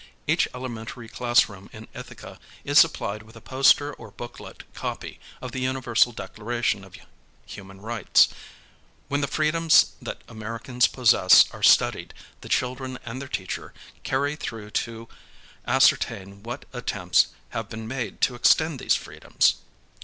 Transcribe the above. Each elementary classroom in Ithaca is supplied with a poster or booklet copy of the Universal Declaration of Human Rights. \^ hen the freedoms that Americans possess are studied, the children and their teacher carry through to ascertain what attempts have been made to extend these freedoms.